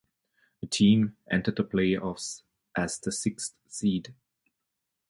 The team entered the playoffs as the sixth seed.